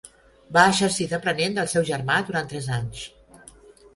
Va exercir d'aprenent del seu germà durant tres anys.